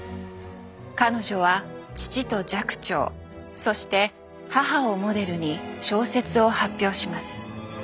彼女は父と寂聴そして母をモデルに小説を発表します。